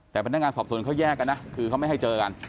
แต่พนักงานสอบสวนเขาแยกกันนะคือเขาไม่ให้เจอกัน